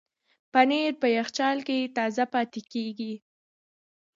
پنېر په یخچال کې تازه پاتې کېږي.